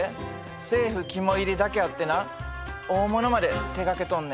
政府肝煎りだけあってな大物まで手がけとんねん。